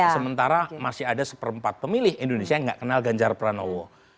sementara masih ada seperempat pemilih indonesia yang nggak kenal ganjar pranowo